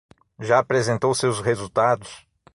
Já apresentou seus resultados?